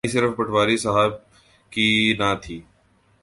حیرانی صرف پٹواری صاحب کی نہ تھی۔